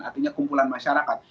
artinya kumpulan masyarakat